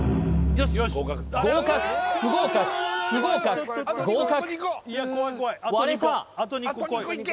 合格不合格不合格合格割れた！